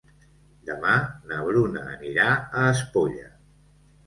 Demà na Bruna anirà a Espolla.